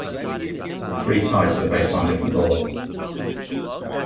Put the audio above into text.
The three types are based on different laws.